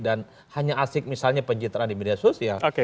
dan hanya asik misalnya penceritaan di media sosial